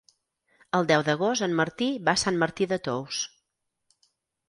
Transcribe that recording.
El deu d'agost en Martí va a Sant Martí de Tous.